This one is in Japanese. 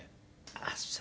ああそう。